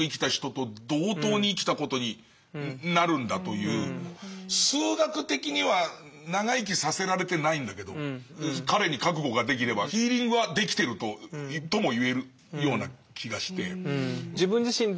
そうするとね彼の言ってることってね数学的には長生きさせられてないんだけど彼に覚悟ができればヒーリングはできてるとも言えるような気がして。